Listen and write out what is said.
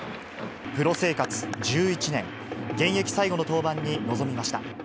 プロ生活１１年、現役最後の登板に臨みました。